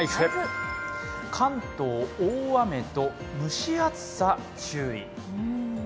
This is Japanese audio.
関東大雨と蒸し暑さ注意。